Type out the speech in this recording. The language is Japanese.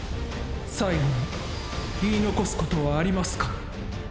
最期に言い残すことはありますか。